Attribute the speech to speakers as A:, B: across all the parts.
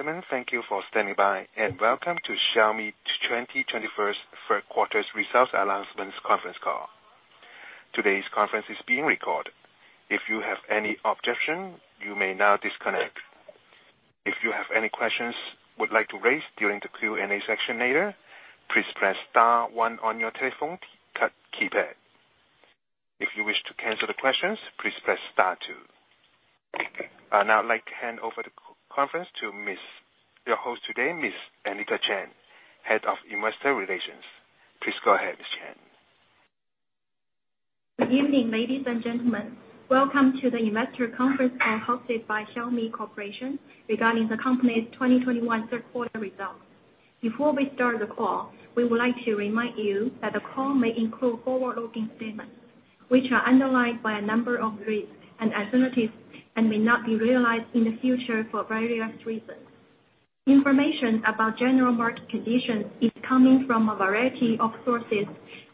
A: Ladies and gentlemen, thank you for standing by. Welcome to Xiaomi's 2021 third quarter results announcement conference call. Today's conference is being recorded. If you have any objection, you may now disconnect. If you have any questions you would like to raise during the Q&A section later, please press star one on your telephone keypad. If you wish to cancel the questions, please press star two. I'd now like to hand over the conference to your host today, Ms. Anita Chen, head of investor relations. Please go ahead, Ms. Chen.
B: Good evening, ladies and gentlemen. Welcome to the investor conference call hosted by Xiaomi Corporation regarding the company's 2021 third quarter results. Before we start the call, we would like to remind you that the call may include forward-looking statements, which are underlined by a number of risks and uncertainties, and may not be realized in the future for various reasons. Information about general market conditions is coming from a variety of sources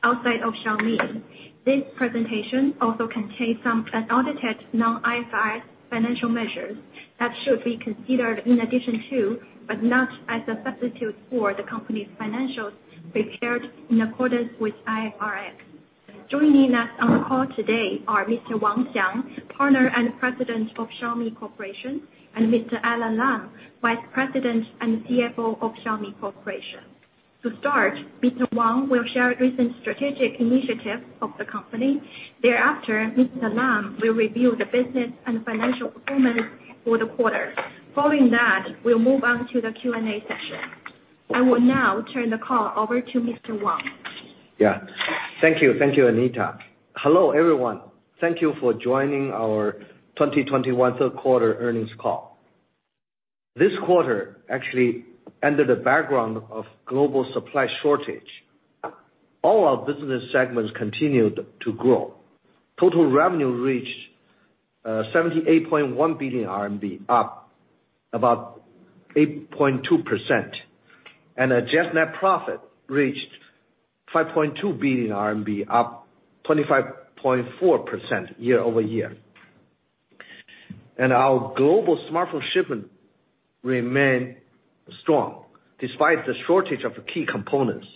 B: outside of Xiaomi. This presentation also contains some unaudited non-IFRS financial measures that should be considered in addition to, but not as a substitute for, the company's financials prepared in accordance with IFRS. Joining us on the call today are Mr. Wang Xiang, Partner and President of Xiaomi Corporation, and Mr. Alain Lam, Vice President and CFO of Xiaomi Corporation. To start, Mr. Wang will share recent strategic initiatives of the company. Thereafter, Mr. Lam will review the business and financial performance for the quarter. Following that, we'll move on to the Q&A session. I will now turn the call over to Mr. Wang.
C: Thank you, Anita. Hello, everyone. Thank you for joining our 2021 third quarter earnings call. This quarter actually ended the background of global supply shortage. All our business segments continued to grow. Total revenue reached 78.1 billion RMB, up about 8.2%. Adjust net profit reached 5.2 billion RMB, up 25.4% year-over-year. Our global smartphone shipment remained strong despite the shortage of key components.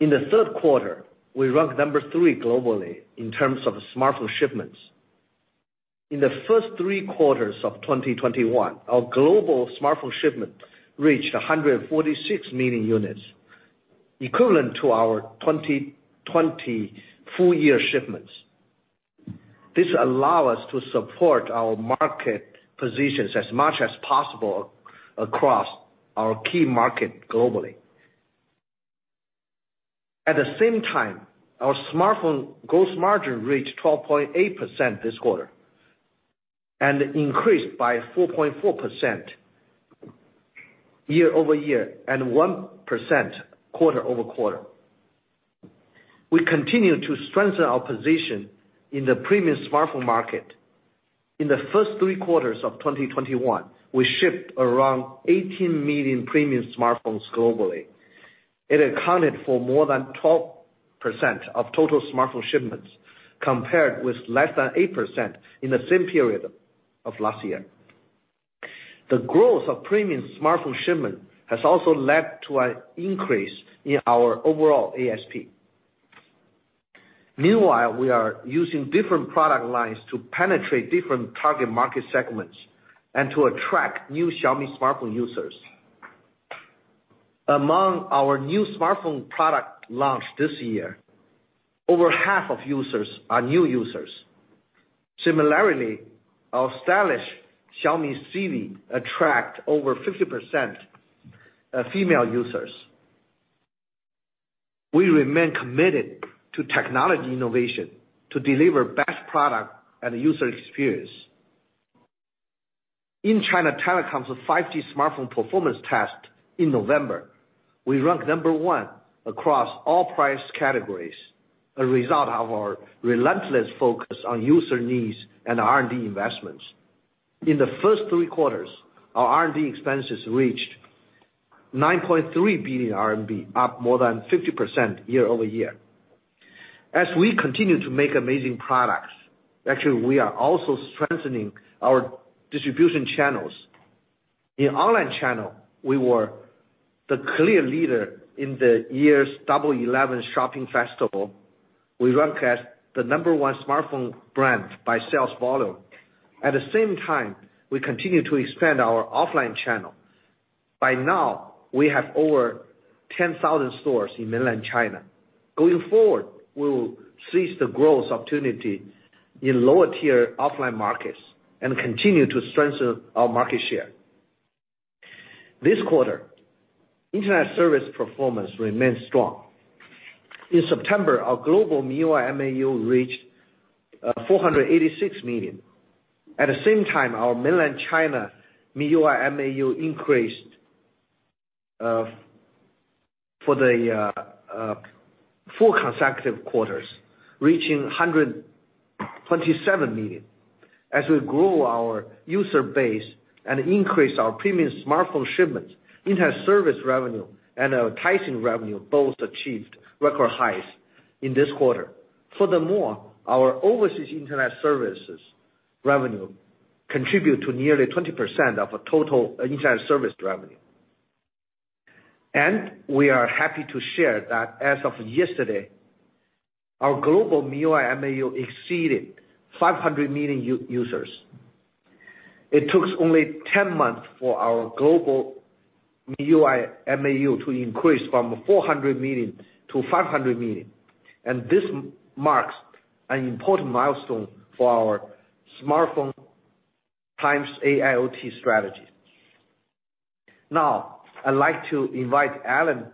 C: In the third quarter, we ranked number 3 globally in terms of smartphone shipments. In the first three quarters of 2021, our global smartphone shipment reached 146 million units, equivalent to our 2020 full year shipments. This allow us to support our market positions as much as possible across our key market globally. At the same time, our smartphone gross margin reached 12.8% this quarter and increased by 4.4% year-over-year, 1% quarter-over-quarter. We continue to strengthen our position in the premium smartphone market. In the first three quarters of 2021, we shipped around 18 million premium smartphones globally. It accounted for more than 12% of total smartphone shipments, compared with less than 8% in the same period of last year. The growth of premium smartphone shipment has also led to an increase in our overall ASP. Meanwhile, we are using different product lines to penetrate different target market segments and to attract new Xiaomi smartphone users. Among our new smartphone product launch this year, over half of users are new users. Similarly, our stylish Xiaomi Civi attract over 50% female users. We remain committed to technology innovation to deliver best product and user experience. In China Telecom's 5G smartphone performance test in November, we ranked number one across all price categories, a result of our relentless focus on user needs and R&D investments. In the first three quarters, our R&D expenses reached 9.3 billion RMB, up more than 50% year over year. As we continue to make amazing products, actually we are also strengthening our distribution channels. In online channel, we were the clear leader in the year's Double Eleven shopping festival. We ranked as the number one smartphone brand by sales volume. At the same time, we continue to expand our offline channel. By now, we have over 10,000 stores in mainland China. Going forward, we will seize the growth opportunity in lower-tier offline markets and continue to strengthen our market share. This quarter, internet service performance remained strong. In September, our global MIUI MAU reached 486 million. At the same time, our mainland China MIUI MAU increased for four consecutive quarters, reaching 127 million. As we grow our user base and increase our premium smartphone shipments, internet service revenue and advertising revenue both achieved record highs in this quarter. Furthermore, our overseas internet services revenue contribute to nearly 20% of our total internet service revenue. We are happy to share that as of yesterday, our global MIUI MAU exceeded 500 million users. It took only 10 months for our global MIUI MAU to increase from 400 million to 500 million. This marks an important milestone for our smartphone times AIoT strategy. Now, I'd like to invite Alain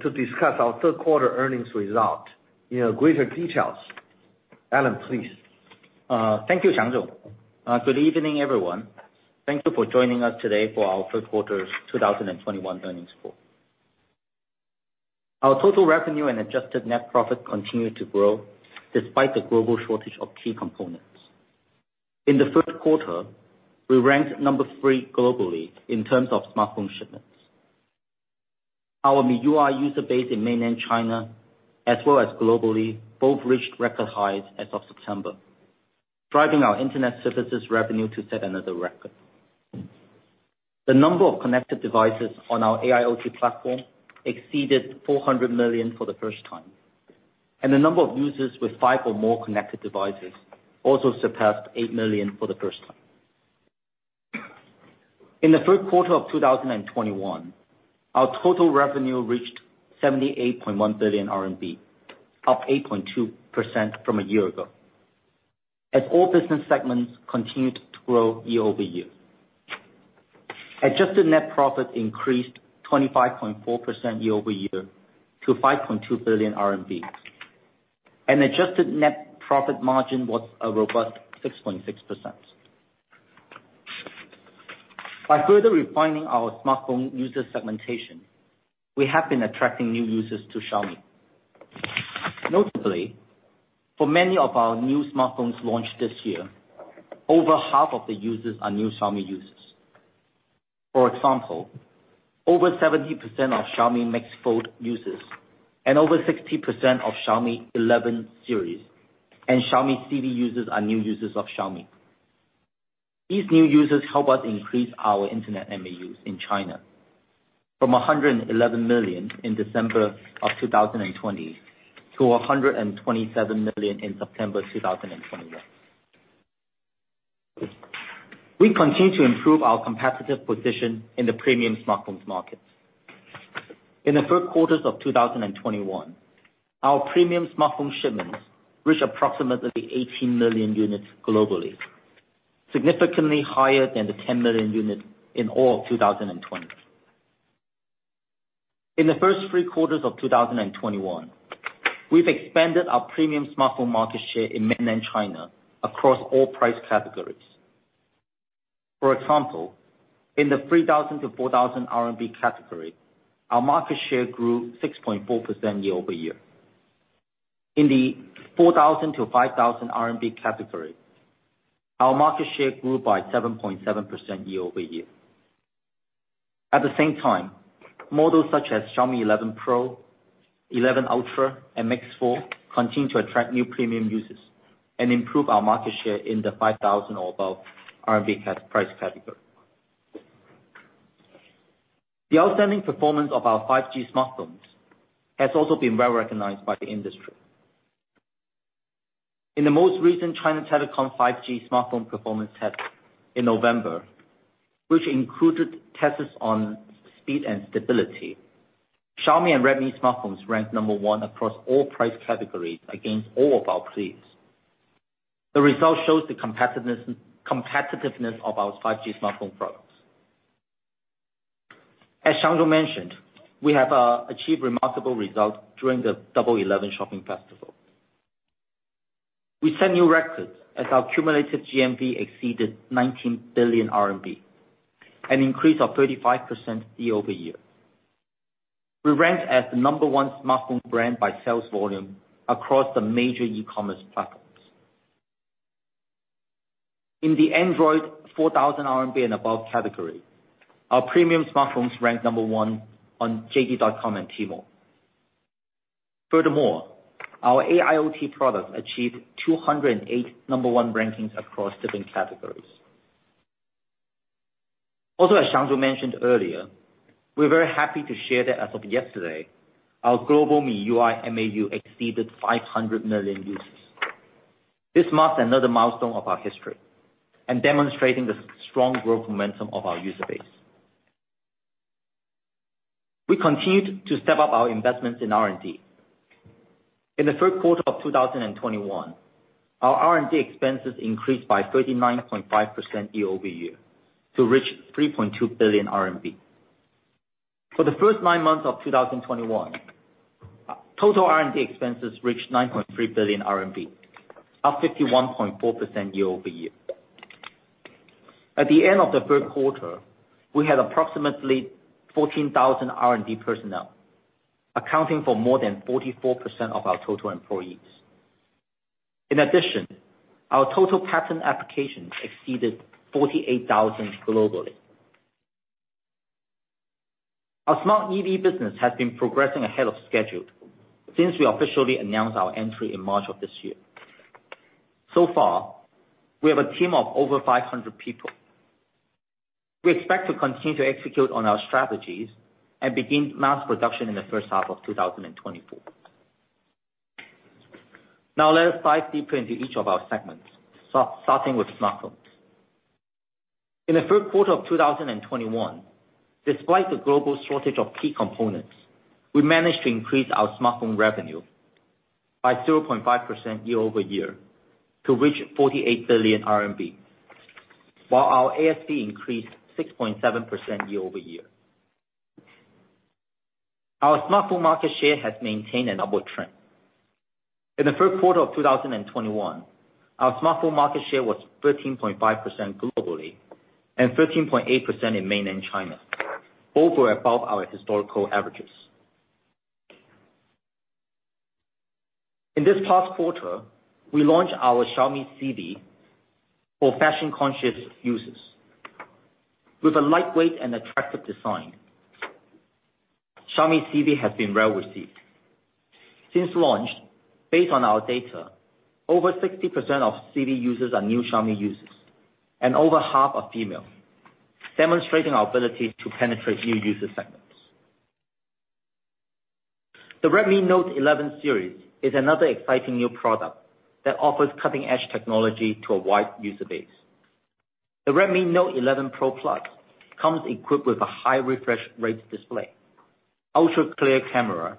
C: to discuss our third quarter earnings result in greater details. Alain, please.
D: Thank you, Xiang Zong. Good evening, everyone. Thank you for joining us today for our third quarter 2021 earnings call. Our total revenue and adjusted net profit continued to grow despite the global shortage of key components. In the third quarter, we ranked number three globally in terms of smartphone shipments. Our MIUI user base in mainland China, as well as globally, both reached record highs as of September, driving our internet services revenue to set another record. The number of connected devices on our AIoT platform exceeded 400 million for the first time, and the number of users with five or more connected devices also surpassed 8 million for the first time. In the third quarter of 2021, our total revenue reached 78.1 billion RMB, up 8.2% from a year ago. As all business segments continued to grow year over year. Adjusted net profit increased 25.4% year-over-year to 5.2 billion RMB. Adjusted net profit margin was a robust 6.6%. By further refining our smartphone user segmentation, we have been attracting new users to Xiaomi. Notably, for many of our new smartphones launched this year, over half of the users are new Xiaomi users. For example, over 70% of Xiaomi MIX Fold users and over 60% of Xiaomi 11 series and Xiaomi Civi users are new users of Xiaomi. These new users help us increase our internet MAUs in China from 111 million in December 2020 to 127 million in September 2021. We continue to improve our competitive position in the premium smartphones markets. In the third quarter of 2021, our premium smartphone shipments reached approximately 18 million units globally, significantly higher than the 10 million units in all of 2020. In the first three quarters of 2021, we've expanded our premium smartphone market share in mainland China across all price categories. For example, in the 3,000-4,000 RMB category, our market share grew 6.4% year-over-year. In the 4,000-5,000 RMB category, our market share grew by 7.7% year-over-year. At the same time, models such as Xiaomi 11 Pro, 11 Ultra, and MIX Fold continue to attract new premium users and improve our market share in the 5,000 or above price category. The outstanding performance of our 5G smartphones has also been well-recognized by the industry. In the most recent China Telecom 5G smartphone performance test in November, which included tests on speed and stability, Xiaomi and Redmi smartphones ranked number 1 across all price categories against all of our peers. The result shows the competitiveness of our 5G smartphone products. As Shang Zhu mentioned, we have achieved remarkable results during the Double Eleven shopping festival. We set new records as our cumulative GMV exceeded 19 billion RMB, an increase of 35% year-over-year. We ranked as the number 1 smartphone brand by sales volume across the major e-commerce platforms. In the Android 4,000 RMB and above category, our premium smartphones ranked number 1 on JD.com and Tmall. Furthermore, our AIoT products achieved 208 number 1 rankings across different categories. Also, as Shang Zhu mentioned earlier, we're very happy to share that as of yesterday, our global MIUI MAU exceeded 500 million users. This marks another milestone of our history and demonstrating the strong growth momentum of our user base. We continued to step up our investments in R&D. In the third quarter of 2021, our R&D expenses increased by 39.5% year-over-year to reach 3.2 billion RMB. For the first nine months of 2021, total R&D expenses reached 9.3 billion RMB, up 51.4% year-over-year. At the end of the third quarter, we had approximately 14,000 R&D personnel, accounting for more than 44% of our total employees. In addition, our total patent applications exceeded 48,000 globally. Our smart EV business has been progressing ahead of schedule since we officially announced our entry in March of this year. So far, we have a team of over 500 people. We expect to continue to execute on our strategies and begin mass production in the first half of 2024. Let us dive deeper into each of our segments, starting with smartphone. In the third quarter of 2021, despite the global shortage of key components, we managed to increase our smartphone revenue by 0.5% year-over-year to reach 48 billion RMB, while our ASP increased 6.7% year-over-year. Our smartphone market share has maintained an upward trend. In the third quarter of 2021, our smartphone market share was 13.5% globally and 13.8% in mainland China, both were above our historical averages. In this past quarter, we launched our Xiaomi Civi for fashion-conscious users. With a lightweight and attractive design, Xiaomi Civi has been well-received. Since launch, based on our data, over 60% of Civi users are new Xiaomi users and over half are female, demonstrating our ability to penetrate new user segments. The Redmi Note 11 series is another exciting new product that offers cutting-edge technology to a wide user base. The Redmi Note 11 Pro+ comes equipped with a high refresh rate display, ultra clear camera,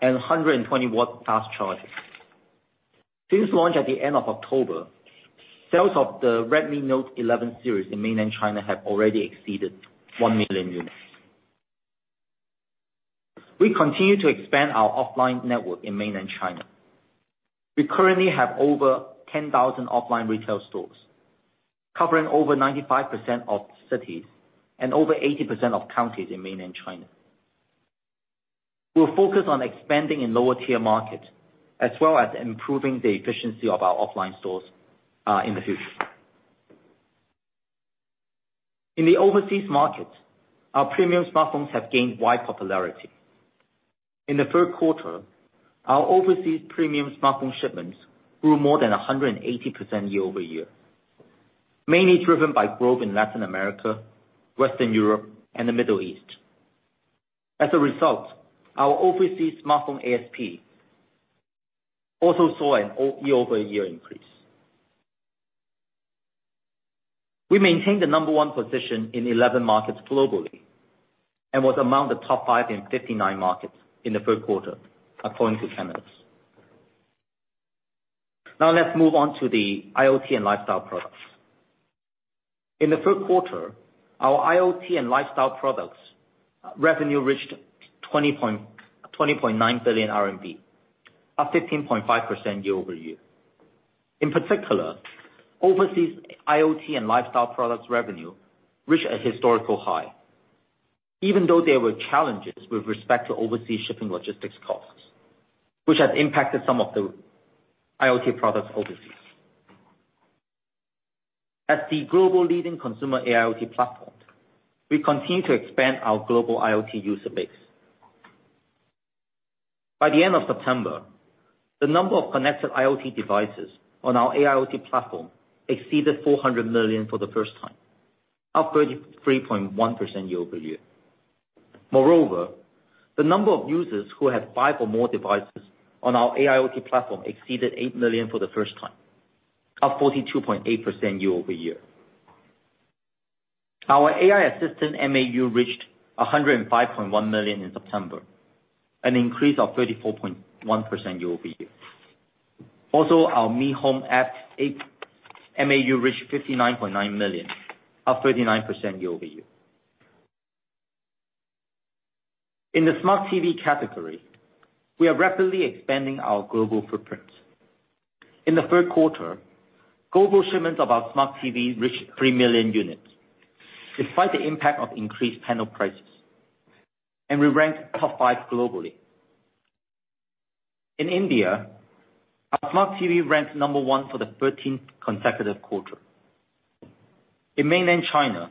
D: and 120-watt fast charging. Since launch at the end of October, sales of the Redmi Note 11 series in mainland China have already exceeded 1 million units. We continue to expand our offline network in mainland China. We currently have over 10,000 offline retail stores covering over 95% of cities and over 80% of counties in mainland China. We're focused on expanding in lower tier markets as well as improving the efficiency of our offline stores in the future. In the overseas market, our premium smartphones have gained wide popularity. In the third quarter, our overseas premium smartphone shipments grew more than 180% year-over-year, mainly driven by growth in Latin America, Western Europe, and the Middle East. As a result, our overseas smartphone ASP also saw a year-over-year increase. We maintained the number one position in 11 markets globally and was among the top five in 59 markets in the third quarter, according to Canalys. Now let's move on to the IoT and lifestyle products. In the third quarter, our IoT and lifestyle products revenue reached 20.9 billion RMB, up 15.5% year-over-year. In particular, overseas IoT and lifestyle products revenue reached a historical high, even though there were challenges with respect to overseas shipping logistics costs, which has impacted some of the IoT products overseas. As the global leading consumer IoT platform, we continue to expand our global IoT user base. By the end of September, the number of connected IoT devices on our IoT platform exceeded 400 million for the first time, up 33.1% year-over-year. Moreover, the number of users who have five or more devices on our AIoT platform exceeded eight million for the first time, up 42.8% year-over-year. Our AI assistant MAU reached 105.1 million in September, an increase of 34.1% year-over-year. Also, our Mi Home app MAU reached 59.9 million, up 39% year-over-year. In the smart TV category, we are rapidly expanding our global footprint. In the third quarter, global shipments of our smart TV reached 3 million units, despite the impact of increased panel prices, and we ranked top five globally. In India, our smart TV ranked number one for the 13th consecutive quarter. In mainland China,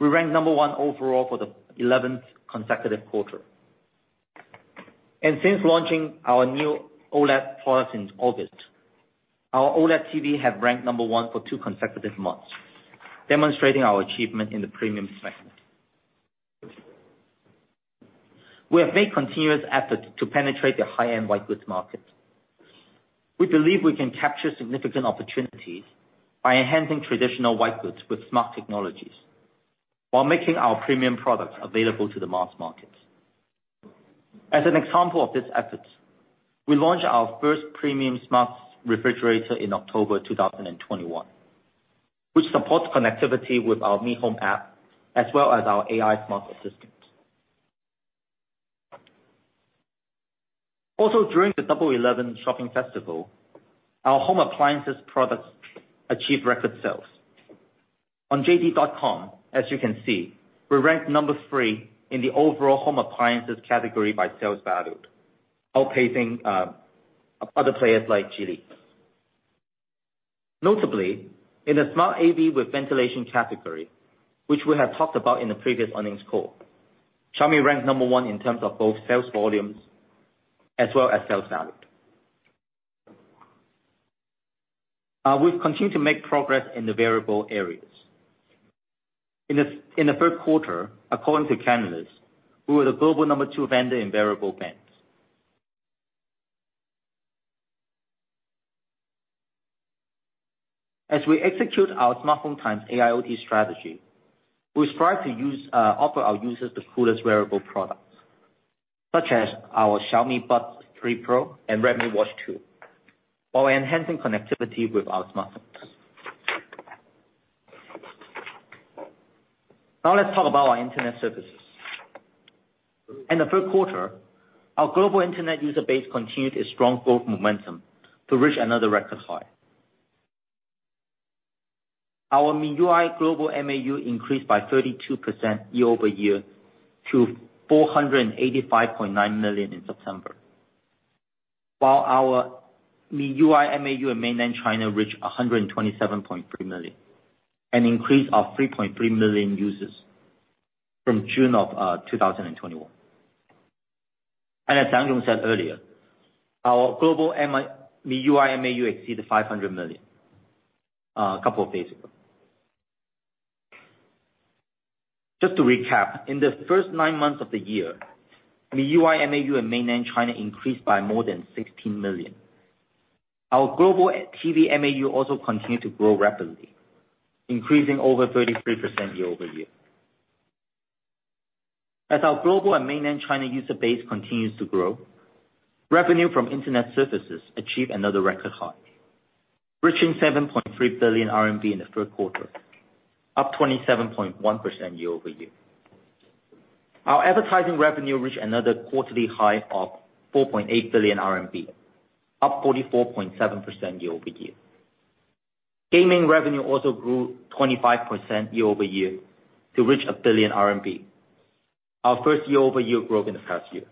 D: we ranked number one overall for the 11th consecutive quarter. And since launching our new OLED product in August, our OLED TV have ranked number one for two consecutive months, demonstrating our achievement in the premium segment. We have made continuous efforts to penetrate the high-end white goods market. We believe we can capture significant opportunities by enhancing traditional white goods with smart technologies while making our premium products available to the mass market. As an example of this effort, we launched our first premium smart refrigerator in October 2021, which supports connectivity with our Mi Home app as well as our AI smart assistant. Also, during the Double Eleven shopping festival, our home appliances products achieved record sales. On JD.com, as you can see, we ranked number three in the overall home appliances category by sales value, outpacing other players like GE. Notably, in the smart AV with ventilation category, which we have talked about in the previous earnings call, Xiaomi ranked number one in terms of both sales volumes as well as sales value. We have continued to make progress in the wearable areas. In the third quarter, according to Canalys, we were the global number two vendor in wearable bands. As we execute our smartphone times AIoT strategy, we strive to offer our users the coolest wearable products, such as our Redmi Buds 3 Pro and Redmi Watch 2, while enhancing connectivity with our smartphones. Now let's talk about our internet services. In the third quarter, our global internet user base continued its strong growth momentum to reach another record high. Our MIUI global MAU increased by 32% year-over-year to 485.9 million in September, while our MIUI MAU in mainland China reached 127.3 million, an increase of 3.3 million users from June of 2021. As Xiang Wang said earlier, our global MIUI MAU exceeded 500 million a couple of days ago. Just to recap, in the first nine months of the year, MIUI MAU in mainland China increased by more than 16 million. Our global TV MAU also continued to grow rapidly, increasing over 33% year-over-year. As our global and mainland China user base continues to grow, revenue from internet services achieved another record high, reaching 7.3 billion RMB in the third quarter, up 27.1% year-over-year. Our advertising revenue reached another quarterly high of 4.8 billion RMB, up 44.7% year-over-year. Gaming revenue also grew 25% year-over-year to reach 1 billion RMB, our first year-over-year growth in the past year.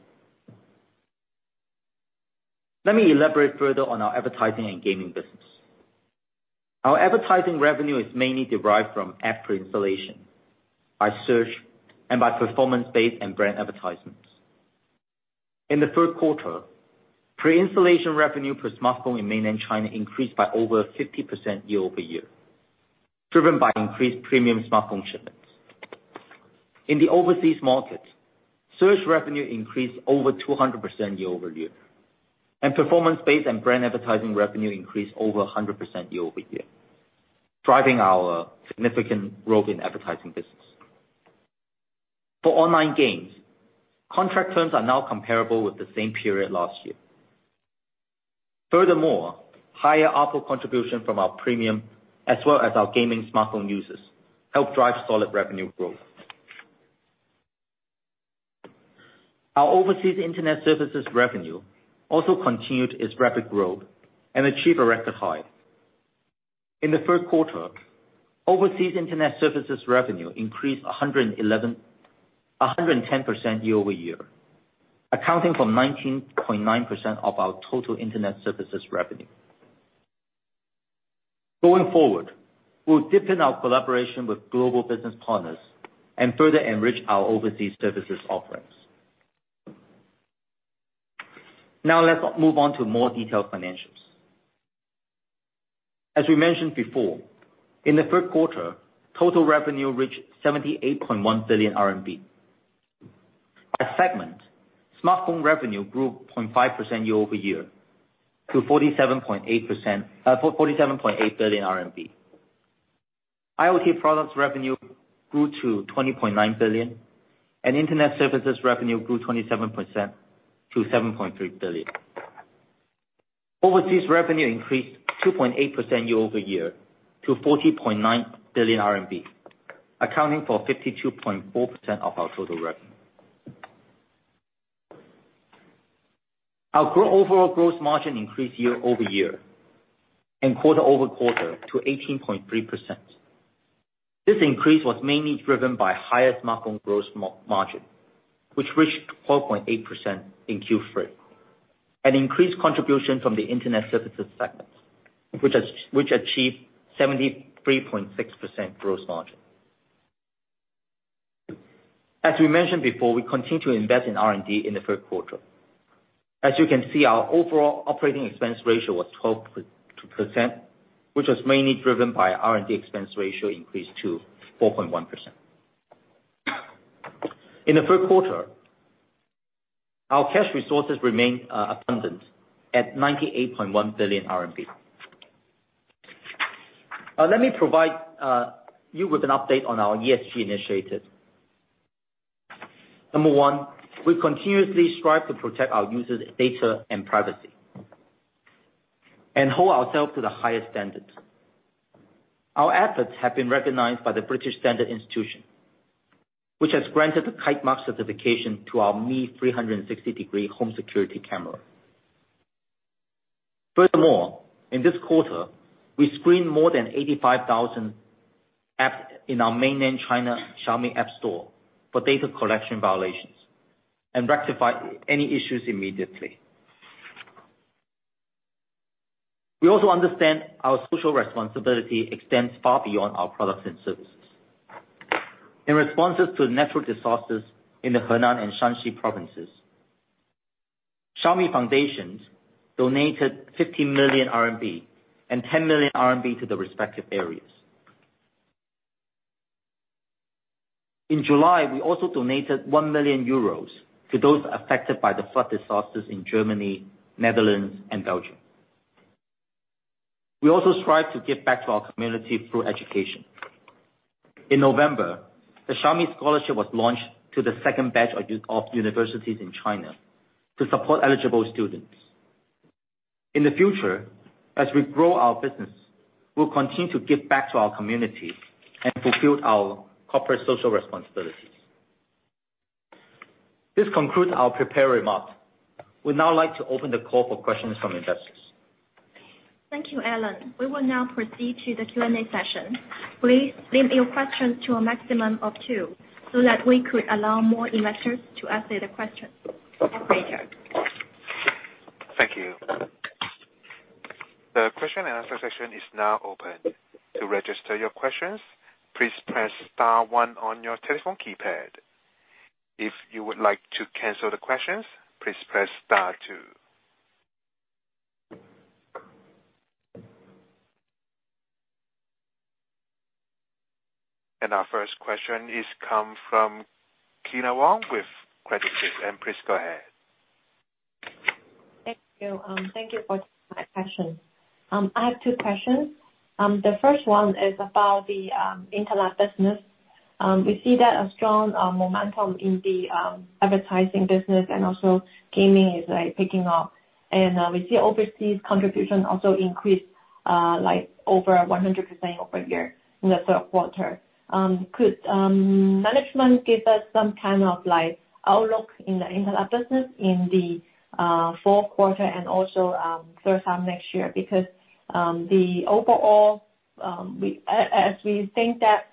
D: Let me elaborate further on our advertising and gaming business. Our advertising revenue is mainly derived from app pre-installation, by search, and by performance-based and brand advertisements. In the third quarter, pre-installation revenue per smartphone in mainland China increased by over 50% year-over-year, driven by increased premium smartphone shipments. In the overseas market, search revenue increased over 200% year-over-year, and performance-based and brand advertising revenue increased over 100% year-over-year, driving our significant growth in advertising business. For online games, contract terms are now comparable with the same period last year. Furthermore, higher ARPU contribution from our premium as well as our gaming smartphone users help drive solid revenue growth. Our overseas internet services revenue also continued its rapid growth and achieved a record high. In the third quarter, overseas internet services revenue increased 110% year-over-year, accounting for 19.9% of our total internet services revenue. Going forward, we will deepen our collaboration with global business partners and further enrich our overseas services offerings. Now let's move on to more detailed financials. As we mentioned before, in the third quarter, total revenue reached 78.1 billion RMB. By segment, smartphone revenue grew 0.5% year-over-year to 47.8 billion RMB. AIoT products revenue grew to 20.9 billion, and internet services revenue grew 27% to 7.3 billion. Overseas revenue increased 2.8% year-over-year to 40.9 billion RMB, accounting for 52.4% of our total revenue. Our overall gross margin increased year-over-year and quarter-over-quarter to 18.3%. This increase was mainly driven by higher smartphone gross margin, which reached 12.8% in Q3, an increased contribution from the internet services segment, which achieved 73.6% gross margin. As we mentioned before, we continue to invest in R&D in the third quarter. As you can see, our overall operating expense ratio was 12%, which was mainly driven by R&D expense ratio increase to 4.1%. In the third quarter, our cash resources remained abundant at 98.1 billion RMB. Let me provide you with an update on our ESG initiatives. Number 1, we continuously strive to protect our users' data and privacy and hold ourselves to the highest standards. Our efforts have been recognized by the British Standards Institution, which has granted the Kitemark certification to our Mi 360° Home Security Camera. Furthermore, in this quarter, we screened more than 85,000 in our mainland China Xiaomi app store for data collection violations and rectify any issues immediately. We also understand our social responsibility extends far beyond our products and services. In responses to natural disasters in the Henan and Shanxi provinces, Xiaomi Foundation donated 15 million RMB and 10 million RMB to the respective areas. In July, we also donated 1 million euros to those affected by the flood disasters in Germany, Netherlands, and Belgium. We also strive to give back to our community through education. In November, the Xiaomi Scholarship was launched to the second batch of universities in China to support eligible students. In the future, as we grow our business, we'll continue to give back to our community and fulfill our corporate social responsibilities. This concludes our prepared remarks. We'd now like to open the call for questions from investors.
B: Thank you, Alain. We will now proceed to the Q&A session. Please limit your questions to a maximum of two so that we could allow more investors to ask their questions. Operator.
A: Thank you. The question and answer session is now open. To register your questions, please press star one on your telephone keypad. If you would like to cancel the questions, please press star two. Our first question is come from Kyna Wong with Credit Suisse. Please go ahead.
E: Thank you. Thank you for taking my question. I have two questions. The first one is about the internet business. We see that a strong momentum in the advertising business, also gaming is picking up. We see overseas contribution also increased over 100% year-over-year in the third quarter. Could management give us some kind of outlook in the internet business in the fourth quarter, also first half next year? Because the overall, as we think that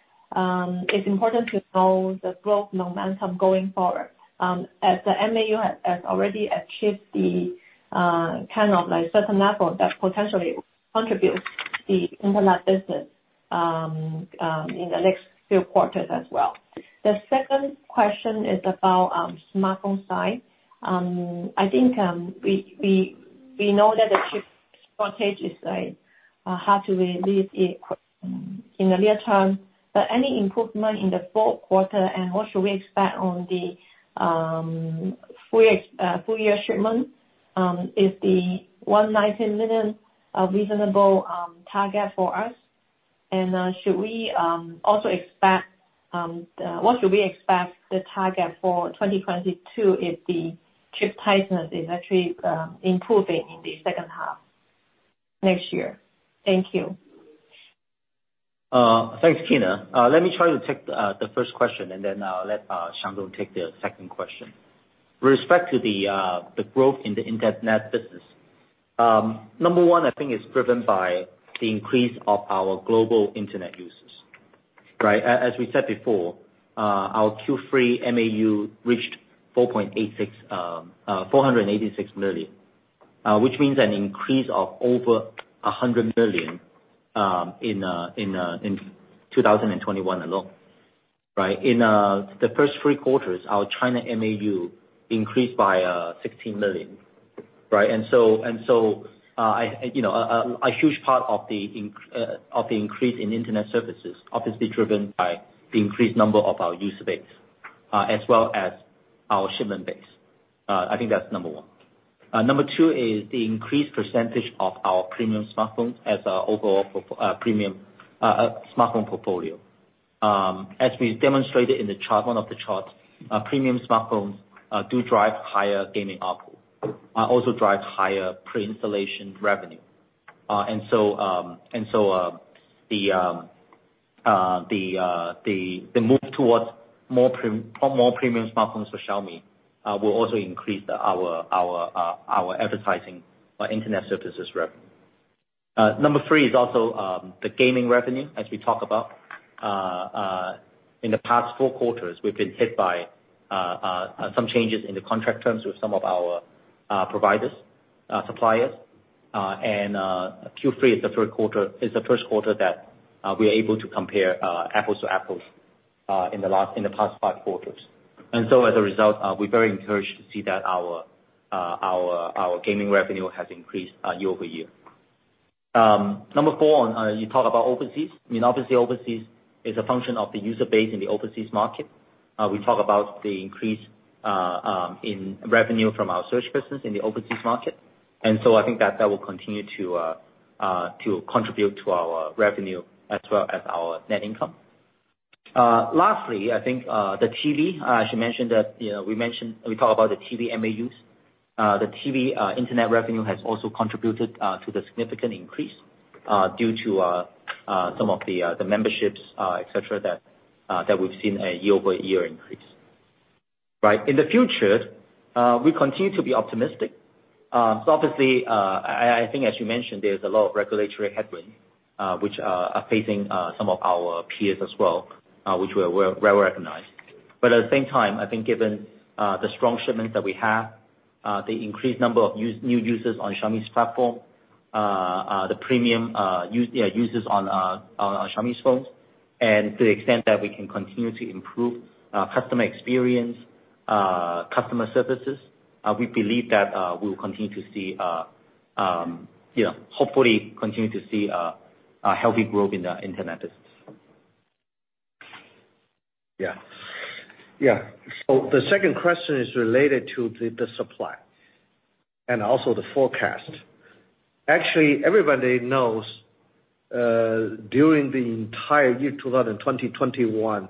E: it's important to know the growth momentum going forward, as the MAU has already achieved the kind of certain level that potentially contributes to the internet business in the next few quarters as well. The second question is about smartphone side. I think we know that the chip shortage is hard to release in the near term, any improvement in the fourth quarter, and what should we expect on the full year shipment? Is the 190 million a reasonable target for us? What should we expect the target for 2022 if the chip tightness is actually improving in the second half next year? Thank you.
D: Thanks, Kyna. Let me try to take the first question. Then I'll let Xiang Zong take the second question. With respect to the growth in the internet business, number one, I think it's driven by the increase of our global internet users. As we said before, our Q3 MAU reached 486 million, which means an increase of over 100 million in 2021 alone. In the first three quarters, our China MAU increased by 16 million. So a huge part of the increase in internet services obviously driven by the increased number of our user base, as well as our shipment base. I think that's number one. Number two is the increased percentage of our premium smartphone as our overall premium smartphone portfolio. As we demonstrated in one of the charts, premium smartphones do drive higher gaming ARPU, also drives higher pre-installation revenue. The move towards more premium smartphones for Xiaomi will also increase our advertising internet services revenue. Number three is also the gaming revenue, as we talk about. In the past 4 quarters, we've been hit by some changes in the contract terms with some of our providers, suppliers. Q3 is the first quarter that we're able to compare apples to apples in the past 5 quarters. As a result, we're very encouraged to see that our gaming revenue has increased year-over-year. Number four, you talk about overseas. Obviously, overseas is a function of the user base in the overseas market. We talk about the increase in revenue from our search business in the overseas market. I think that that will continue to contribute to our revenue as well as our net income. Lastly, I think the TV, we talk about the TV MAUs. The TV internet revenue has also contributed to the significant increase due to some of the memberships, et cetera, that we've seen a year-over-year increase. Right. In the future, we continue to be optimistic. Obviously, I think as you mentioned, there's a lot of regulatory headwinds, which are facing some of our peers as well, which we're well recognized. At the same time, I think given the strong shipments that we have, the increased number of new users on Xiaomi's platform, the premium users on Xiaomi's phones, and to the extent that we can continue to improve customer experience, customer services, we believe that we will continue to see, hopefully continue to see a healthy growth in the internet business.
C: Yeah. The second question is related to the supply and also the forecast. Actually, everybody knows, during the entire year 2021,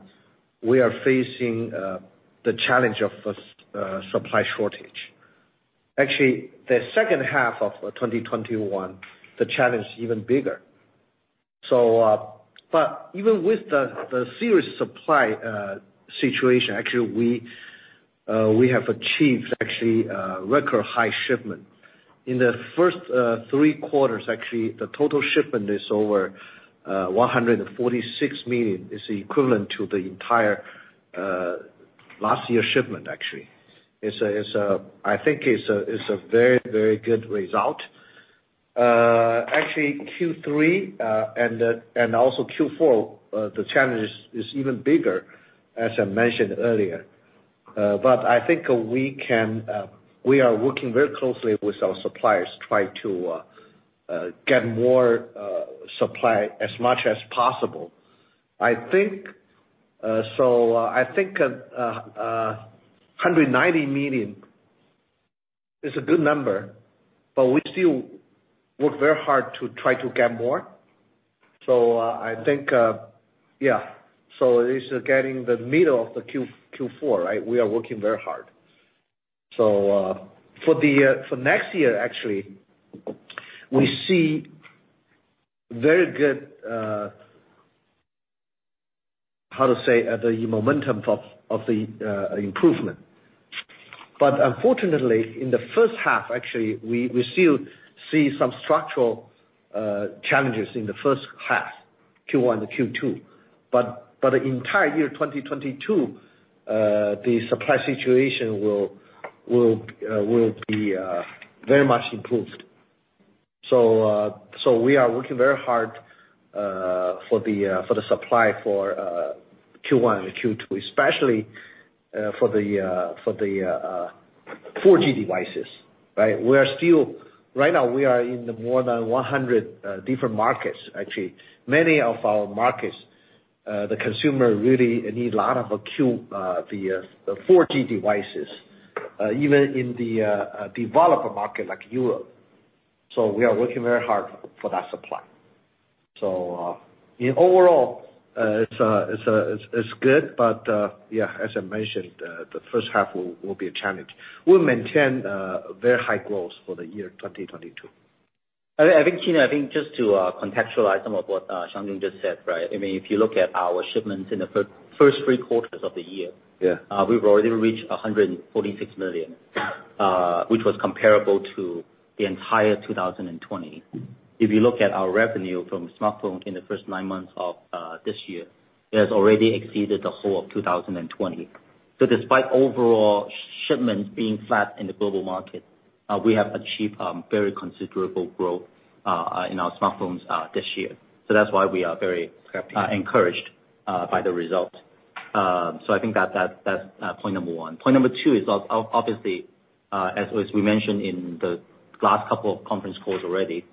C: we are facing the challenge of supply shortage. Actually, the second half of 2021, the challenge even bigger. Even with the serious supply situation, actually, we have achieved actually a record high shipment. In the first 3 quarters, actually, the total shipment is over 146 million. Is equivalent to the entire last year's shipment, actually. I think it's a very good result. Actually, Q3 and also Q4, the challenge is even bigger, as I mentioned earlier. I think we are working very closely with our suppliers to try to get more supply as much as possible. I think, 190 million is a good number, but we still work very hard to try to get more. It is getting the middle of the Q4, right? We are working very hard. For next year, actually, we see very good, how to say, the momentum of the improvement. Unfortunately, in the first half, actually, we still see some structural challenges in the first half, Q1 and Q2. The entire year 2022, the supply situation will be very much improved. We are working very hard for the supply for Q1 and Q2, especially for the 4G devices, right? Right now, we are in the more than 100 different markets, actually. Many of our markets, the consumer really need a lot of the 4G devices, even in the developed market like Europe. We are working very hard for that supply. In overall, it's good, but yeah, as I mentioned, the first half will be a challenge. We'll maintain very high growth for the year 2022.
D: I think, Kyna, just to contextualize some of what Xiang just said, right? If you look at our shipments in the first three quarters of the year.
C: Yeah.
D: We've already reached 146 million, which was comparable to the entire 2020. If you look at our revenue from smartphone in the first nine months of this year, it has already exceeded the whole of 2020. Despite overall shipments being flat in the global market, we have achieved very considerable growth in our smartphones this year. That's why we are very encouraged by the results. I think that's point number one. Point number two is obviously, as we mentioned in the last couple of conference calls already,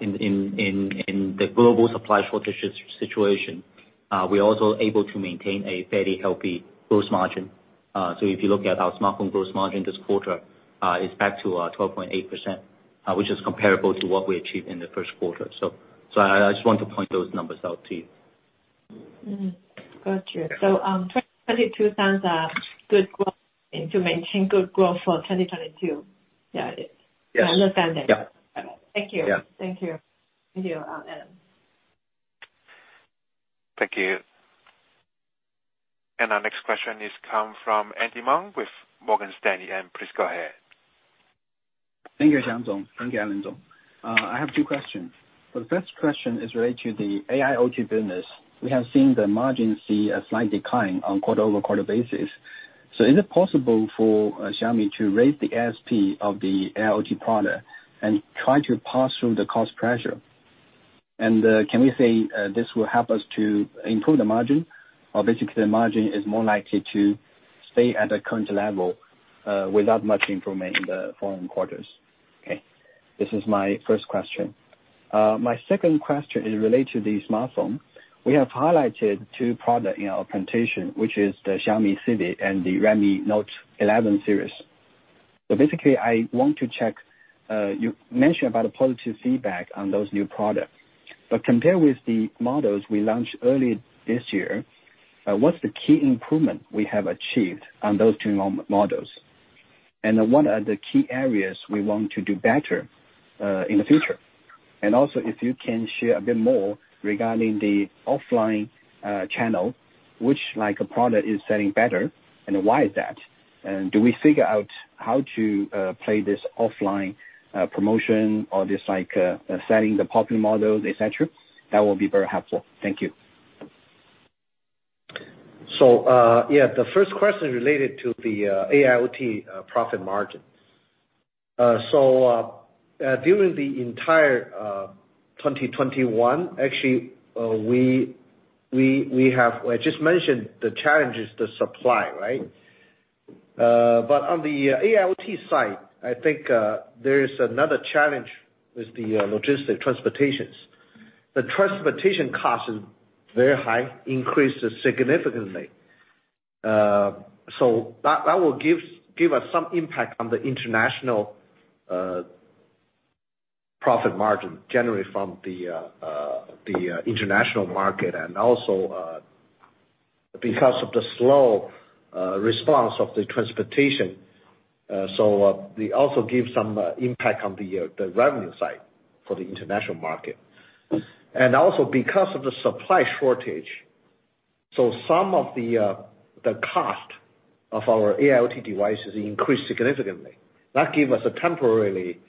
D: in the global supply shortage situation, we're also able to maintain a very healthy gross margin. If you look at our smartphone gross margin this quarter, it's back to 12.8%, which is comparable to what we achieved in the first quarter. I just want to point those numbers out to you.
E: Got you. 2022 sounds like good growth and to maintain good growth for 2022. Yeah.
C: Yes.
E: I understand that.
C: Yeah.
E: Thank you.
C: Yeah.
E: Thank you. Thank you, Alain.
A: Thank you. Our next question is come from Andy Meng with Morgan Stanley. Please go ahead.
F: Thank you, Xiang. Thank you, Alain. I have two questions. The first question is related to the AIoT business. We have seen the margin see a slight decline on quarter-over-quarter basis. Is it possible for Xiaomi to raise the ASP of the AIoT product and try to pass through the cost pressure? Can we say this will help us to improve the margin? Basically, the margin is more likely to stay at a current level, without much improvement in the following quarters? Okay. This is my first question. My second question is related to the smartphone. We have highlighted two products in our presentation, which is the Xiaomi Civi and the Redmi Note 11 series. Basically, I want to check, you mentioned about the positive feedback on those new products. Compare with the models we launched earlier this year, what's the key improvement we have achieved on those two models? What are the key areas we want to do better in the future? If you can share a bit more regarding the offline channel, which product is selling better, and why is that? Do we figure out how to play this offline promotion or just selling the popular models, et cetera? That will be very helpful. Thank you.
C: Yeah, the first question related to the AIoT profit margin. During the entire 2021, actually, I just mentioned the challenge is the supply, right? On the AIoT side, I think there is another challenge with the logistic transportations. The transportation cost is very high, increased significantly. That will give us some impact on the international profit margin, generally from the international market and also because of the slow response of the transportation. They also give some impact on the revenue side for the international market. Because of the supply shortage. Some of the cost of our AIoT devices increased significantly. That gave us a temporarily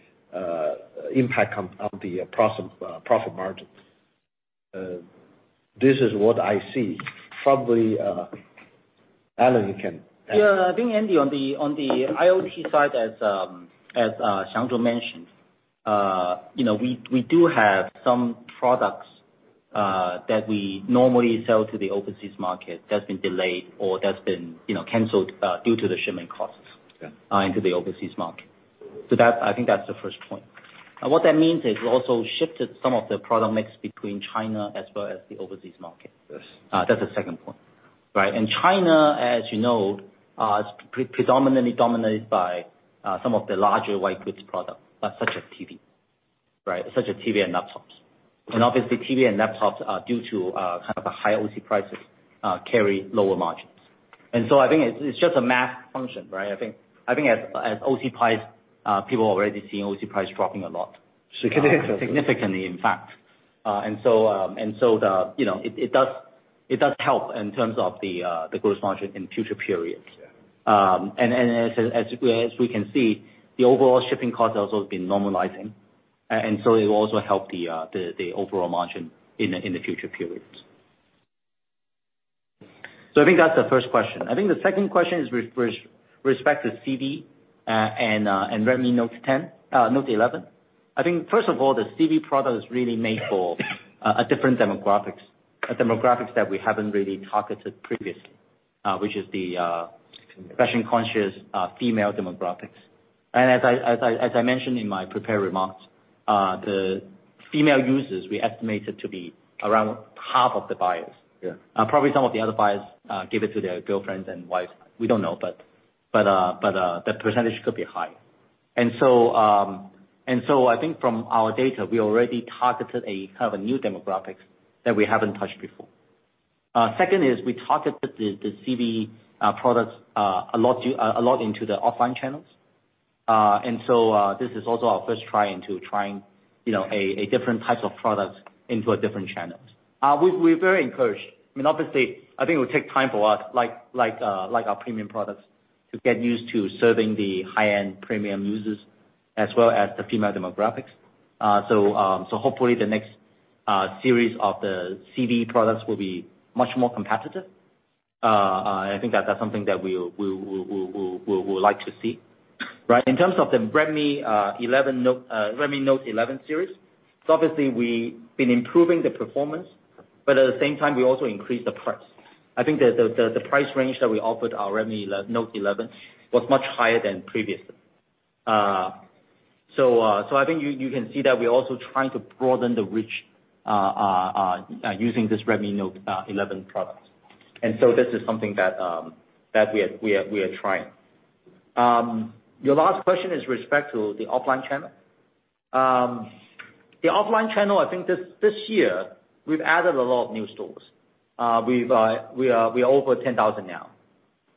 C: impact on the profit margins. This is what I see. Probably, Alain, you can add.
D: I think, Andy, on the IoT side, as Xiang Zong mentioned, we do have some products that we normally sell to the overseas market that's been delayed or that's been canceled due to the shipment costs.
C: Yeah
D: into the overseas market. I think that's the first point. What that means is we also shifted some of the product mix between China as well as the overseas market.
C: Yes.
D: That's the second point, right? China, as you know, is predominantly dominated by some of the larger white goods product, such as TV and laptops. Obviously TV and laptops are due to kind of a high LCD prices, carry lower margins. So I think it's just a math function, right? I think as LCD price, people are already seeing LCD price dropping a lot.
C: Significantly.
D: Significantly, in fact. So it does help in terms of the gross margin in future periods.
C: Yeah.
D: As we can see, the overall shipping cost has also been normalizing, and so it will also help the overall margin in the future periods. I think that's the first question. I think the second question is with respect to Civi and Redmi Note 11. I think, first of all, the Civi product is really made for a different demographics. A demographics that we haven't really targeted previously, which is the fashion conscious female demographics. As I mentioned in my prepared remarks, the female users, we estimate it to be around half of the buyers.
C: Yeah.
D: Probably some of the other buyers give it to their girlfriends and wives. We don't know, but the percentage could be high. So, I think from our data, we already targeted a kind of a new demographics that we haven't touched before. Second is we targeted the Civi products a lot into the offline channels. So this is also our first try into trying a different types of products into a different channels. We're very encouraged. Obviously, I think it will take time for us, like our premium products, to get used to serving the high-end premium users as well as the female demographics. So hopefully the next series of the Civi products will be much more competitive. I think that's something that we'll like to see. Right? In terms of the Redmi Note 11 series, obviously we've been improving the performance, but at the same time, we also increased the price. I think the price range that we offered our Redmi Note 11 was much higher than previously. I think you can see that we're also trying to broaden the reach using this Redmi Note 11 product. This is something that we are trying. Your last question is respect to the offline channel. The offline channel, I think this year we've added a lot of new stores. We are over 10,000 now.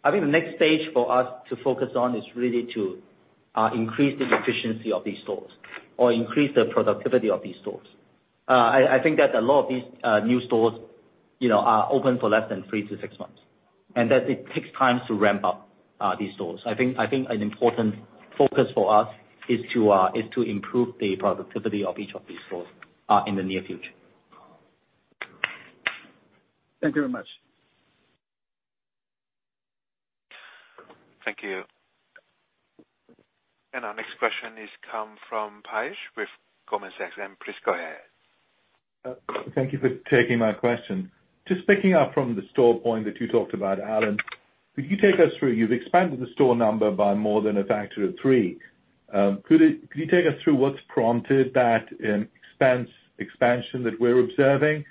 D: I think the next stage for us to focus on is really to increase the efficiency of these stores or increase the productivity of these stores. I think that a lot of these new stores are open for less than three to six months, and that it takes time to ramp up these stores. I think an important focus for us is to improve the productivity of each of these stores in the near future.
F: Thank you very much.
A: Thank you. Our next question is come from Piyush with Goldman Sachs. Please go ahead.
G: Thank you for taking my question. Just picking up from the store point that you talked about, Alain, could you take us through, you've expanded the store number by more than a factor of three. Could you take us through what's prompted that expansion that we're observing?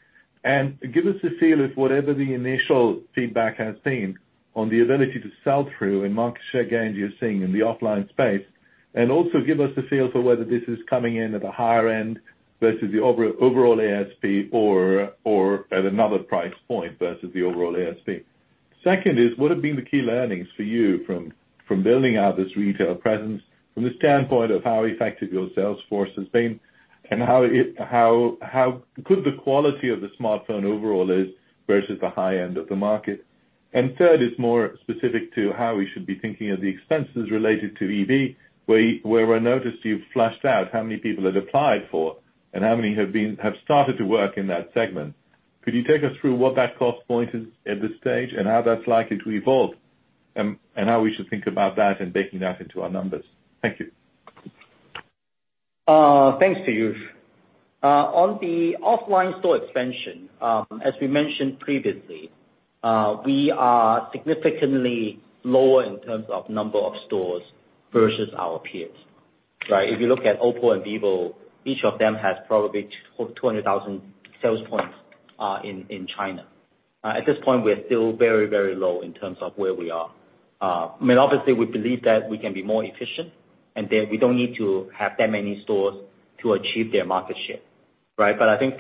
G: Give us a feel of whatever the initial feedback has been on the ability to sell through and market share gains you're seeing in the offline space. Also give us a feel for whether this is coming in at a higher end versus the overall ASP, or at another price point versus the overall ASP. Second is, what have been the key learnings for you from building out this retail presence from the standpoint of how effective your sales force has been, and how good the quality of the smartphone overall is versus the high end of the market? Third is more specific to how we should be thinking of the expenses related to EV, where I noticed you've fleshed out how many people have applied for and how many have started to work in that segment. Could you take us through what that cost point is at this stage and how that's likely to evolve, and how we should think about that and baking that into our numbers? Thank you.
D: Thanks, Piyush. On the offline store expansion, as we mentioned previously, we are significantly lower in terms of number of stores versus our peers. Right? If you look at OPPO and Vivo, each of them has probably 200,000 sales points in China. At this point, we are still very low in terms of where we are. Obviously, we believe that we can be more efficient and that we don't need to have that many stores to achieve their market share. Right? If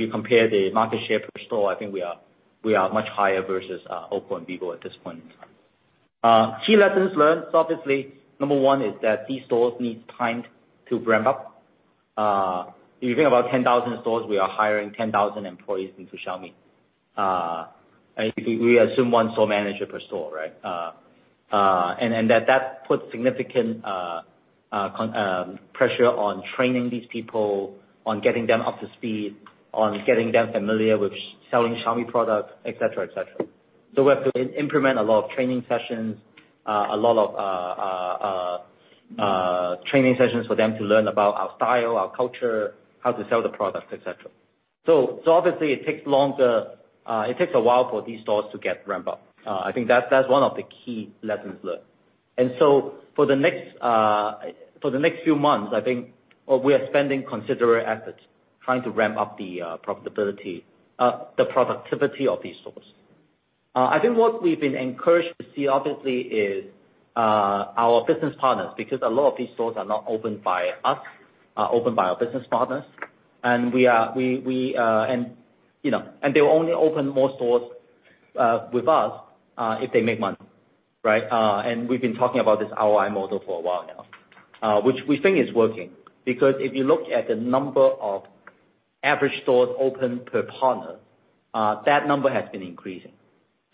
D: you compare the market share per store, I think we are much higher versus OPPO and Vivo at this point in time. Key lessons learned, obviously, number 1 is that these stores need time to ramp up. If you think about 10,000 stores, we are hiring 10,000 employees into Xiaomi. We assume one store manager per store, right? That puts significant pressure on training these people, on getting them up to speed, on getting them familiar with selling Xiaomi product, et cetera. We have to implement a lot of training sessions for them to learn about our style, our culture, how to sell the product, et cetera. Obviously it takes a while for these stores to get ramp up. I think that's one of the key lessons learned. For the next few months, I think we are spending considerable efforts trying to ramp up the productivity of these stores. I think what we've been encouraged to see, obviously, is our business partners, because a lot of these stores are not opened by us, are opened by our business partners. They will only open more stores with us if they make money, right? We've been talking about this ROI model for a while now, which we think is working. If you look at the number of average stores opened per partner, that number has been increasing.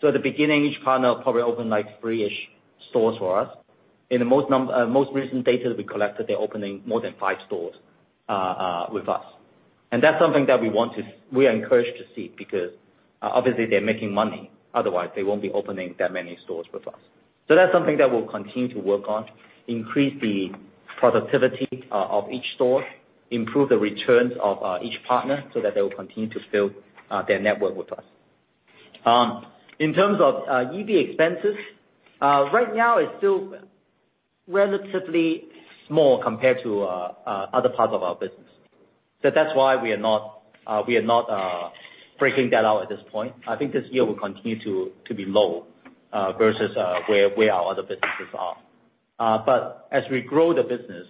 D: At the beginning, each partner probably opened three-ish stores for us. In the most recent data we collected, they're opening more than five stores with us. That's something that we are encouraged to see because obviously they're making money, otherwise they won't be opening that many stores with us. That's something that we'll continue to work on, increase the productivity of each store, improve the returns of each partner so that they will continue to build their network with us. In terms of EV expenses, right now it's still relatively small compared to other parts of our business. That's why we are not breaking that out at this point. I think this year will continue to be low, versus where our other businesses are. As we grow the business,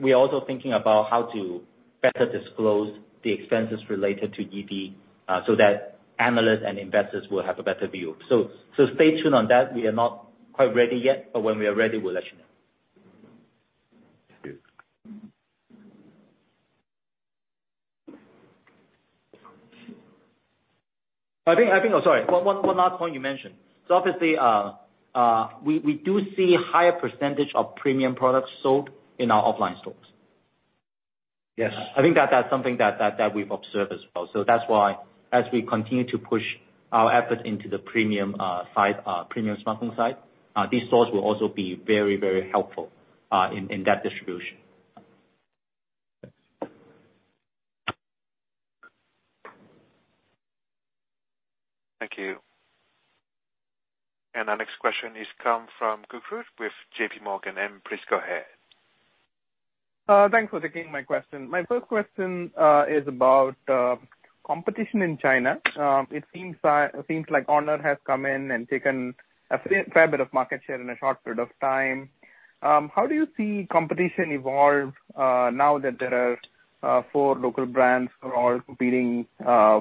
D: we are also thinking about how to better disclose the expenses related to EV, so that analysts and investors will have a better view. Stay tuned on that. We are not quite ready yet, when we are ready, we'll let you know.
G: Thank you.
D: I think Oh, sorry. One last point you mentioned. Obviously, we do see higher percentage of premium products sold in our offline stores.
G: Yes.
D: That's something that we've observed as well. That's why as we continue to push our effort into the premium smartphone side, these stores will also be very helpful in that distribution.
G: Thanks.
A: Thank you. Our next question is come from Gurfath with JP Morgan. Please go ahead.
H: Thanks for taking my question. My first question is about competition in China. It seems like Honor has come in and taken a fair bit of market share in a short period of time. How do you see competition evolve now that there are four local brands who are all competing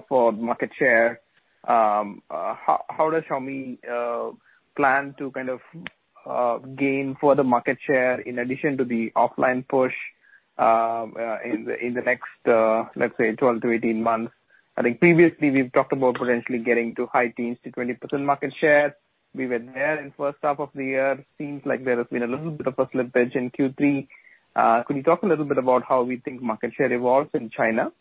H: for market share? How does Xiaomi plan to gain further market share in addition to the offline push in the next, let's say, 12-18 months? I think previously we've talked about potentially getting to high teens to 20% market share. We were there in first half of the year. Seems like there has been a little bit of a slippage in Q3. Could you talk a little bit about how we think market share evolves in China?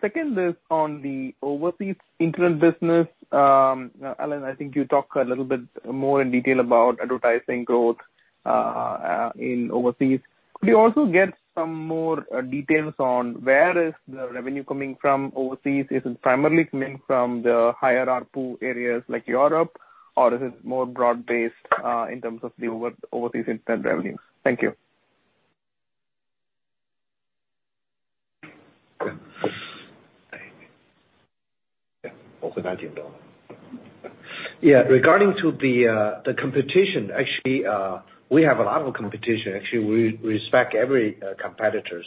H: Second is on the overseas internet business. Alain, I think you talked a little bit more in detail about advertising growth in overseas. Could you also get some more details on where is the revenue coming from overseas? Is it primarily coming from the higher ARPU areas like Europe, or is it more broad-based in terms of the overseas internet revenues? Thank you.
D: The CNY 19.
C: Yeah. Regarding to the competition, actually, we have a lot of competition. Actually, we respect every competitors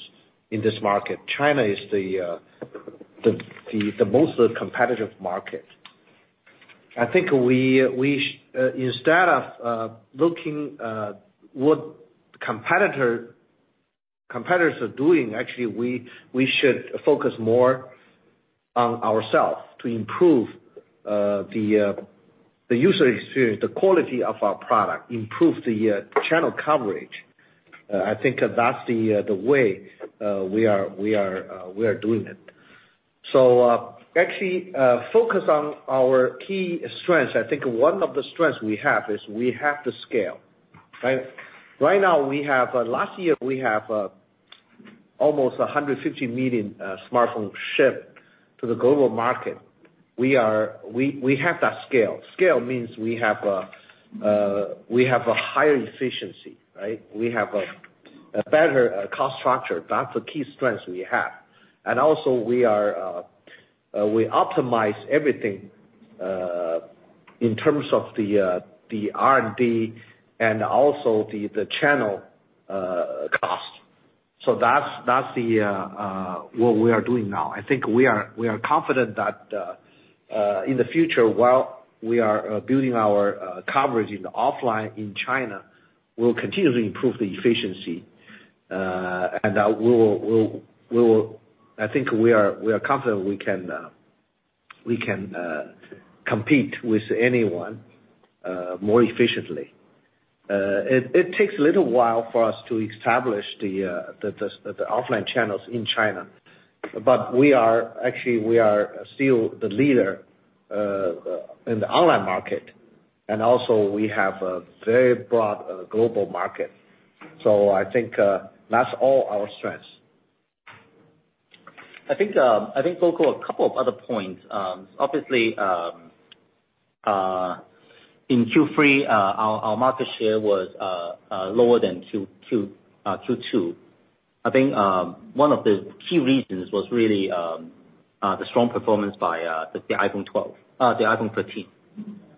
C: in this market. China is the most competitive market. I think instead of looking what competitors are doing, actually, we should focus more on ourselves to improve the user experience, the quality of our product, improve the channel coverage. I think that's the way we are doing it. Actually, focus on our key strengths. I think one of the strengths we have is we have the scale, right? Last year, we have almost 150 million smartphone shipped to the global market. We have that scale. Scale means we have a higher efficiency, right? We have a better cost structure. That's a key strength we have. Also we optimize everything, in terms of the R&D and also the channel cost. That's what we are doing now. I think we are confident that, in the future, while we are building our coverage in the offline in China, we'll continue to improve the efficiency. I think we are confident we can compete with anyone more efficiently. It takes a little while for us to establish the offline channels in China. Actually, we are still the leader in the online market, and also we have a very broad global market. I think that's all our strengths.
D: I think, Gurfath, a couple of other points. Obviously, in Q3, our market share was lower than Q2. I think one of the key reasons was really the strong performance by the iPhone 13.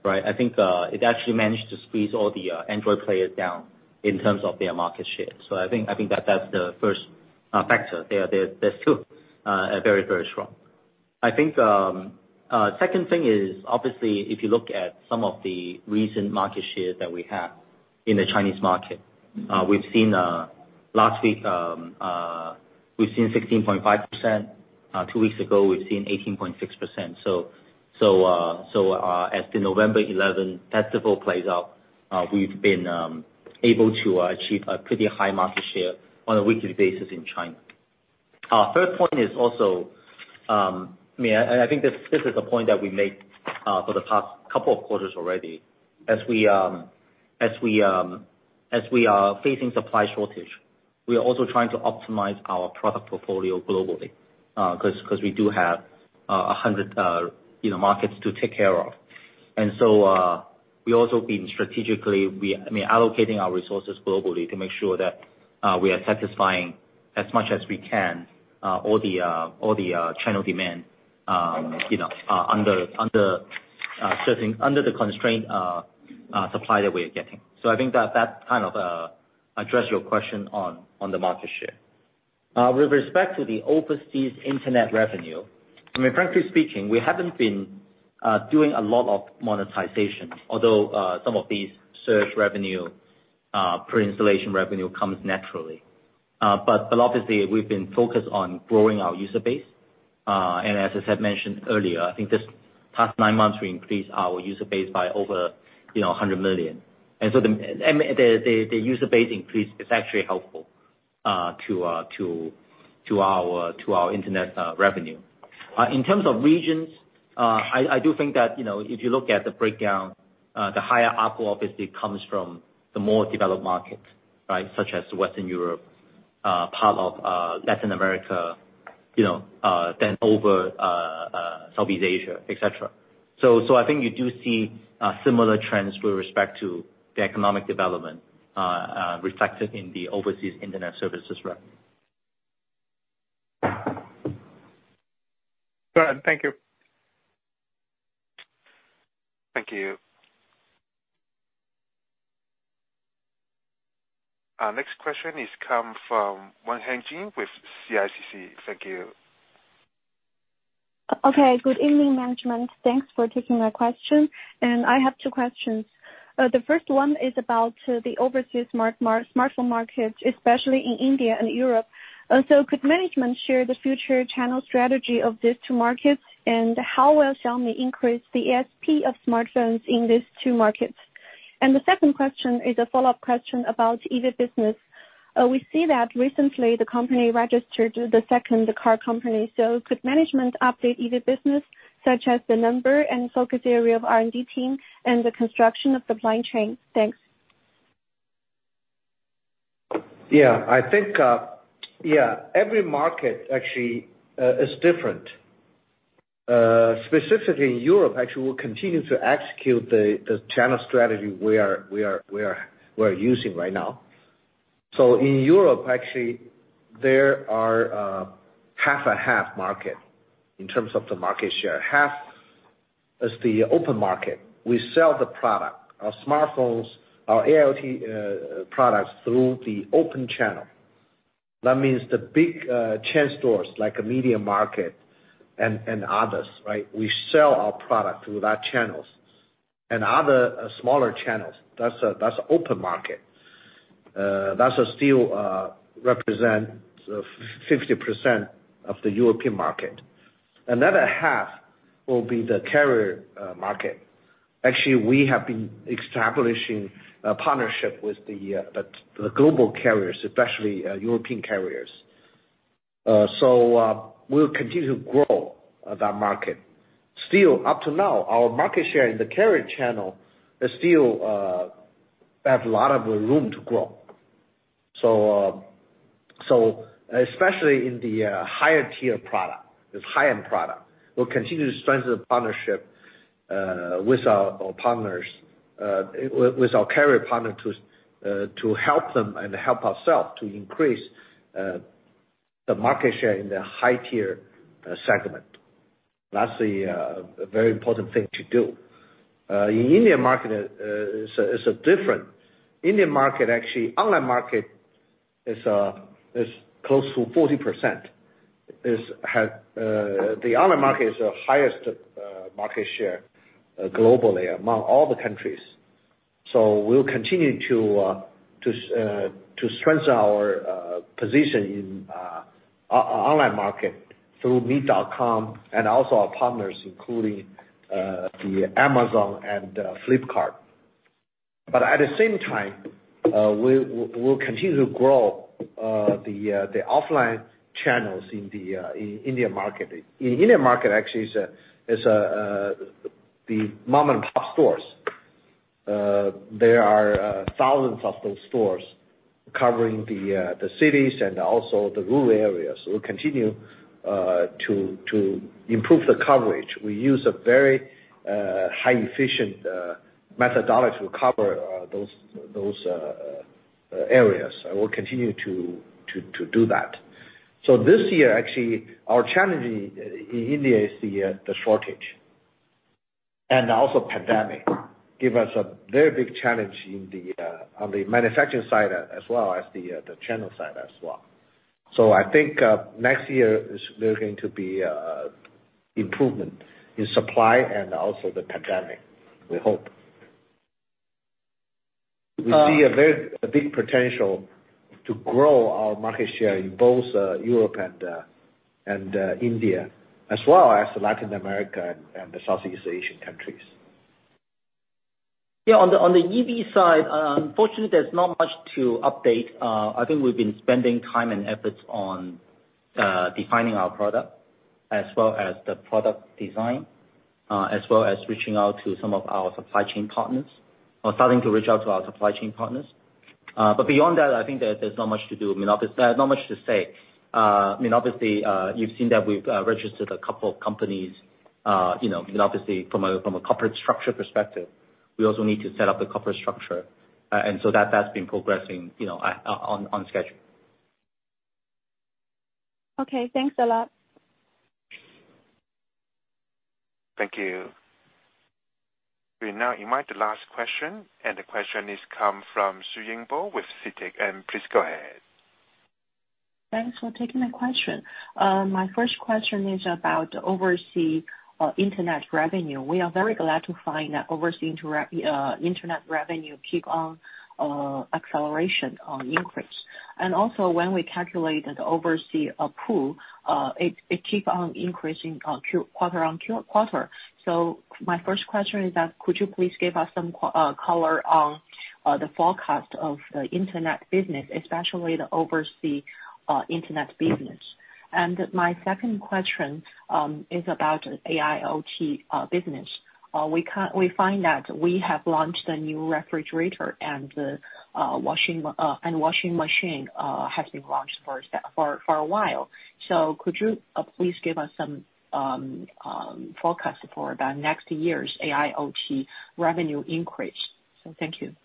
D: Right? I think it actually managed to squeeze all the Android players down in terms of their market share. I think that's the first factor there. They're still very strong. I think second thing is, obviously, if you look at some of the recent market share that we have in the Chinese market. Last week, we've seen 16.5%. Two weeks ago, we've seen 18.6%. As the November 11 festival plays out, we've been able to achieve a pretty high market share on a weekly basis in China. Our third point is also, I think this is a point that we made for the past couple of quarters already. As we are facing supply shortage, we are also trying to optimize our product portfolio globally, because we do have 100 markets to take care of. We've also been strategically allocating our resources globally to make sure that we are satisfying as much as we can all the channel demand under the constraint supply that we are getting. I think that kind of address your question on the market share. With respect to the overseas internet revenue, frankly speaking, we haven't been doing a lot of monetization, although some of these search revenue, pre-installation revenue comes naturally. Obviously, we've been focused on growing our user base. As I said mentioned earlier, I think this past nine months, we increased our user base by over 100 million. The user base increase is actually helpful to our internet revenue. In terms of regions, I do think that if you look at the breakdown, the higher ARPU obviously comes from the more developed market, right? Such as Western Europe, part of Latin America than over Southeast Asia, et cetera. I think you do see similar trends with respect to the economic development reflected in the overseas internet services revenue.
H: Go ahead. Thank you.
A: Thank you. Our next question comes from Wenhan Jin with CICC. Thank you.
I: Good evening, management. Thanks for taking my question. I have two questions. The first one is about the overseas smartphone market, especially in India and Europe. Could management share the future channel strategy of these two markets? How will Xiaomi increase the ASP of smartphones in these two markets? The second question is a follow-up question about EV business. We see that recently the company registered the second car company. Could management update EV business such as the number and focus area of R&D team and the construction of supply chain? Thanks.
C: Yeah. I think every market actually is different. Specifically in Europe, actually, we'll continue to execute the channel strategy we're using right now. In Europe, actually, there are half a half market in terms of the market share. Half is the open market. We sell the product, our smartphones, our AIoT products through the open channel. That means the big chain stores like MediaMarkt and others. We sell our product through that channels and other smaller channels. That's open market. That still represents 50% of the European market. Another half will be the carrier market. Actually, we have been establishing a partnership with the global carriers, especially European carriers. We'll continue to grow that market. Still up to now, our market share in the carrier channel still have a lot of room to grow. Especially in the higher tier product, this high-end product, we'll continue to strengthen the partnership with our carrier partner to help them and help ourselves to increase the market share in the high tier segment. That's a very important thing to do. In Indian market is different. Indian market, actually online market is close to 40%. The online market is the highest market share globally among all the countries. We'll continue to strengthen our position in online market through mi.com and also our partners including the Amazon and Flipkart. At the same time, we'll continue to grow the offline channels in the Indian market. Indian market actually is the mom-and-pop stores. There are thousands of those stores covering the cities and also the rural areas. We'll continue to improve the coverage. We use a very high efficient methodology to cover those areas. We'll continue to do that. This year, actually, our challenge in India is the shortage and also pandemic give us a very big challenge on the manufacturing side as well as the channel side as well. I think next year there's going to be improvement in supply and also the pandemic, we hope. We see a very big potential to grow our market share in both Europe and India as well as Latin America and the Southeast Asian countries.
D: Yeah, on the EV side, unfortunately, there's not much to update. I think we've been spending time and efforts on defining our product as well as the product design, as well as reaching out to some of our supply chain partners or starting to reach out to our supply chain partners. Beyond that, I think there's not much to say. Obviously, you've seen that we've registered a couple of companies. Obviously from a corporate structure perspective, we also need to set up the corporate structure. That's been progressing on schedule.
I: Okay, thanks a lot.
A: Thank you. We now invite the last question. The question is come from Yingbo Xu with CITIC. Please go ahead.
J: Thanks for taking the question. My first question is about overseas internet revenue. We are very glad to find that overseas internet revenue keep on acceleration on increase. Also when we calculated overseas ARPU, it keep on increasing quarter-on-quarter. My first question is that could you please give us some color on the forecast of the internet business, especially the overseas internet business? My second question is about AIoT business. We find that we have launched a new refrigerator and washing machine has been launched for a while. Could you please give us some forecast for about next year's AIoT revenue increase? Thank you.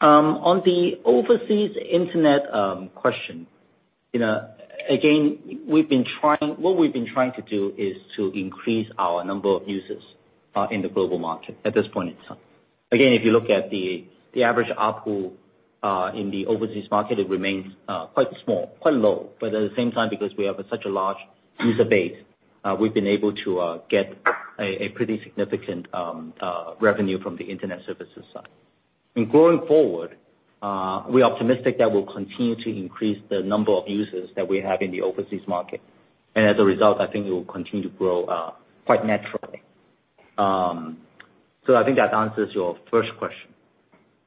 D: On the overseas internet question, what we've been trying to do is to increase our number of users in the global market at this point in time. Again, if you look at the average ARPU in the overseas market, it remains quite small, quite low. At the same time, because we have such a large user base, we've been able to get a pretty significant revenue from the internet services side. Going forward, we're optimistic that we'll continue to increase the number of users that we have in the overseas market. As a result, I think it will continue to grow quite naturally. I think that answers your first question.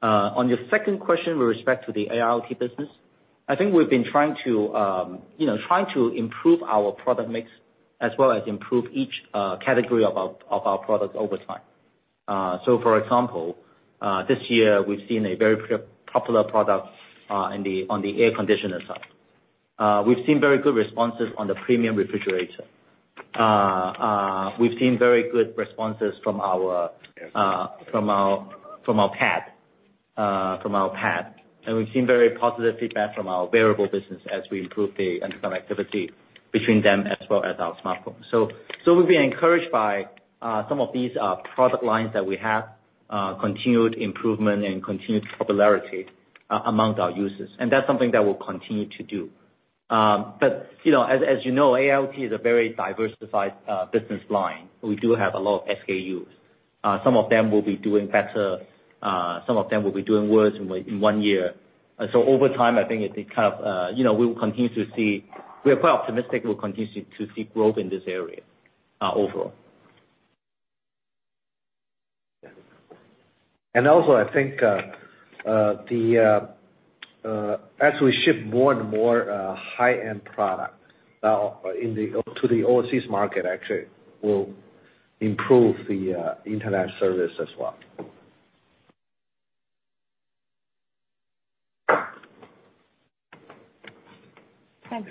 D: On your second question, with respect to the AIoT business, I think we've been trying to improve our product mix as well as improve each category of our products over time. For example, this year we've seen a very popular product on the air conditioner side. We've seen very good responses on the premium refrigerator. We've seen very good responses from our Xiaomi Pad, and we've seen very positive feedback from our wearable business as we improve the interconnectivity between them as well as our smartphone. We've been encouraged by some of these product lines that we have continued improvement and continued popularity among our users, and that's something that we'll continue to do. As you know, AIoT is a very diversified business line. We do have a lot of SKUs. Some of them will be doing better, some of them will be doing worse in one year. Over time, I think we're quite optimistic we'll continue to see growth in this area overall.
C: Also I think as we ship more and more high-end product to the overseas market, actually it will improve the internet service as well.
J: Thank you.